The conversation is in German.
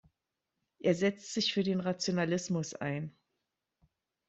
Er setzt sich für den Rationalismus ein.